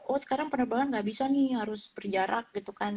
oh sekarang penerbangan gak bisa nih harus berjarak gitu kan